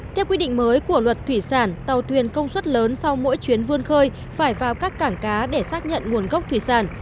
theo quy định mới của luật thủy sản tàu thuyền công suất lớn sau mỗi chuyến vươn khơi phải vào các cảng cá để xác nhận nguồn gốc thủy sản